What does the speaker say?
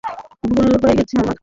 ভুল হয়ে গেছে আমার।